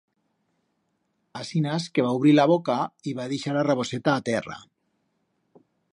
Asinas que va ubrir la boca, y va dixar la raboseta a terra.